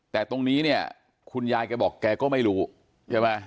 แต่ตรงนี้เนี่ยคุณยายแกบอกแกก็ไม่รู้ใช่ไหม